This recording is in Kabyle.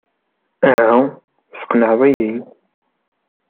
Aha, tesqenɛeḍ-iyi.